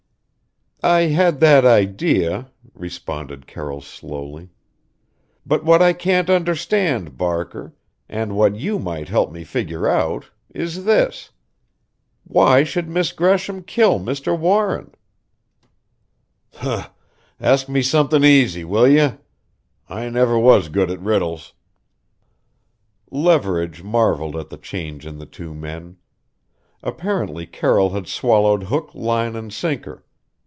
"I had that idea," responded Carroll slowly. "But what I can't understand, Barker, and what you might help me figure out, is this why should Miss Gresham kill Mr. Warren?" "Huh! Ask me somethin' easy, will you? I never was good at riddles." Leverage marveled at the change in the two men. Apparently Carroll had swallowed hook, line, and sinker.